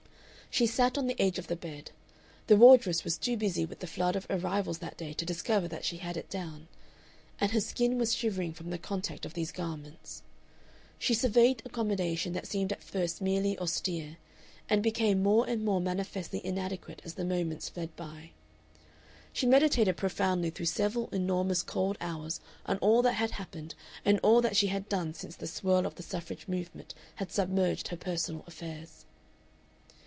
She sat on the edge of the bed the wardress was too busy with the flood of arrivals that day to discover that she had it down and her skin was shivering from the contact of these garments. She surveyed accommodation that seemed at first merely austere, and became more and more manifestly inadequate as the moments fled by. She meditated profoundly through several enormous cold hours on all that had happened and all that she had done since the swirl of the suffrage movement had submerged her personal affairs....